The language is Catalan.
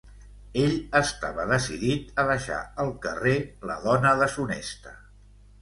Ell estava decidit a deixar al carrer la dona deshonesta.